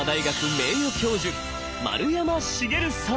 名誉教授丸山茂さん。